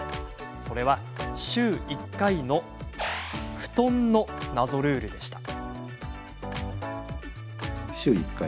それは週１回の布団の謎ルールでした。